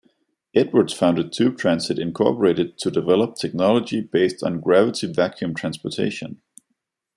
Edwards founded Tube Transit, Incorporated to develop technology based on "gravity-vacuum transportation".